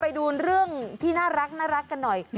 ไปดูเรื่องที่น่ารักกันหน่อย